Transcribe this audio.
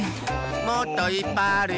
もっといっぱいあるよ！